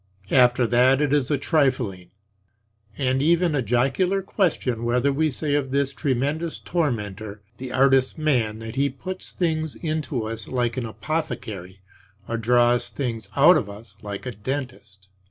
After that it is a trifling and even a jocular question whether we say of this tremendous tormentor, the artist Man, that he puts things into us like an apothecary, or draws things out of us, like a dentist.